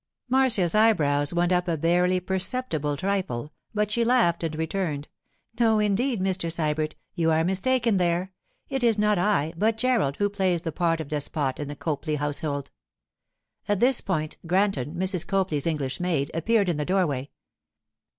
Marcia's eyebrows went up a barely perceptible trifle, but she laughed and returned: 'No, indeed, Mr. Sybert; you are mistaken there. It is not I, but Gerald, who plays the part of despot in the Copley household.' At this point, Granton, Mrs. Copley's English maid, appeared in the doorway.